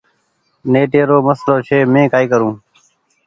نيٽي رو مسلو ڇي مينٚ ڪآئي ڪرون